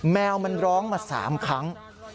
แมวมันร้องมา๓ครั้ง